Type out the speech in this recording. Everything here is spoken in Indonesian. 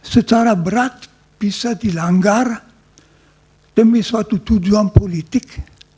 secara berat bisa dilanggar demi suatu tujuan politik